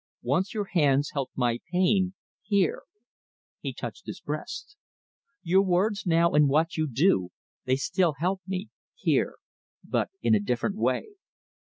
Once your hands helped my pain here." He touched his breast. "Your words now, and what you do, they still help me here... but in a different way.